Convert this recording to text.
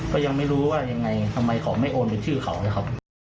ก็ยังไม่รู้ว่ายังไงทำไมเขาไม่โอนเป็นชื่อเขานะครับ